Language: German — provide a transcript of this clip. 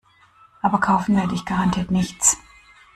Aber kaufen werde ich garantiert nichts.